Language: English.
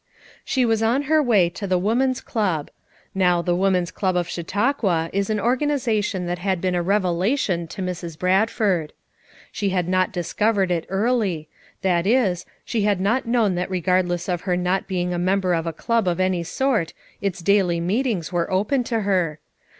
She was on her way to the Woman's Club. Now the Woman's Club of Chautauqua is an organization that had been a revelation to Mrs. Bradford. She had not discovered it early; that is, she had not known that regardless of her not being a member of a club of any sort its daily meetings were open to her.